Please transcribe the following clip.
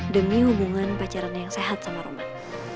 demi hubungan pacaran yang sehat sama rumah